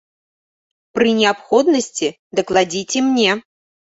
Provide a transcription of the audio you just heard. Пры неабходнасці дакладзіце мне.